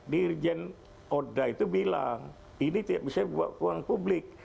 dirjen oda itu bilang ini tidak bisa dibuat ke ruang publik